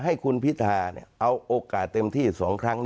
ให้คุณพิธาเอาโอกาสเต็มที่๒ครั้ง